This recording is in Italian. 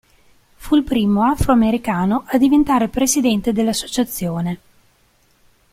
Fu il primo afro-americano a diventare Presidente dell'associazione.